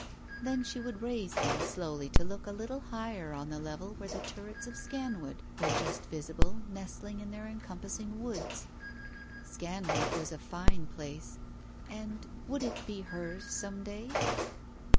Then she would raise them slowly to look a little higher on the level where the turrets of Scanwood were just visible nestling in their encompassing woods. Scanwood was a fine place, and would it be hers some day